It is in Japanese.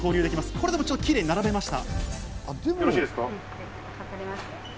これでもキレイに並べました。